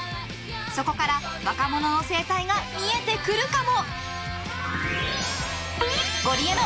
そこから若者の生態が見えてくるかも。